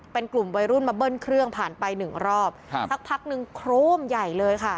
เป็นกลุ่มวัยรุ่นมาเบิ้ลเครื่องผ่านไปหนึ่งรอบครับสักพักนึงโครมใหญ่เลยค่ะ